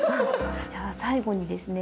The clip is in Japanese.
じゃあ最後にですね